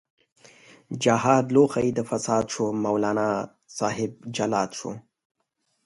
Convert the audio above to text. جهاد لوښۍ د فساد شو، مولانا صاحب جلاد شو